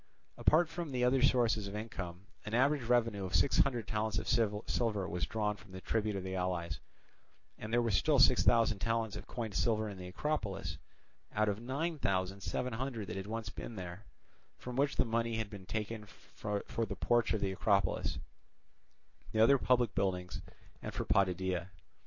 Apart from other sources of income, an average revenue of six hundred talents of silver was drawn from the tribute of the allies; and there were still six thousand talents of coined silver in the Acropolis, out of nine thousand seven hundred that had once been there, from which the money had been taken for the porch of the Acropolis, the other public buildings, and for Potidæa.